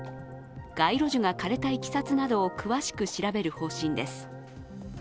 街路樹が枯れたいきさつなどを詳しく調べる方針です。